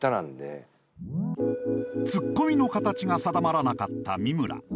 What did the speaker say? ツッコミの形が定まらなかった三村。